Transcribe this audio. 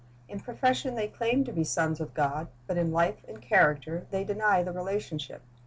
In profession they claim to be sons of God, but in life and character they deny the relationship.